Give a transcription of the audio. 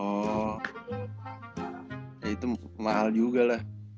oh ya itu mahal juga lah